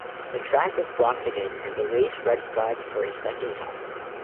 The track was blocked again and the race red flagged for a second time.